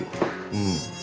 うん。